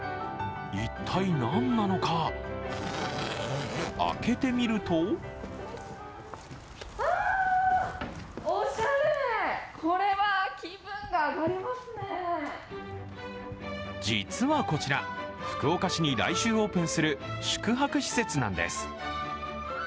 一体何なのか、開けてみると実はこちら、福岡市に来週オープンする宿泊施設なんです。